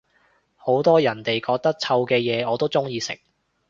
好多人哋覺得臭嘅嘢我都鍾意食